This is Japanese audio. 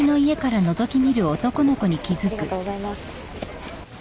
ありがとうございます。